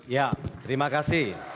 ya terima kasih